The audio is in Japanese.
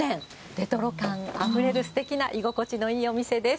レトロ感あふれるすてきな居心地のいいお店です。